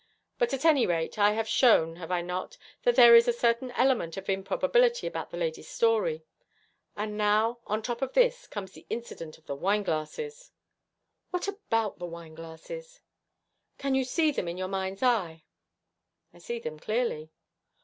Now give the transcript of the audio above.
But at any rate I have shown, have I not, that there is a certain element of improbability about the lady's story? And now, on the top of this, comes the incident of the wineglasses.' 'What about the wineglasses?' 'Can you see them in your mind's eye?' 'I see them clearly.'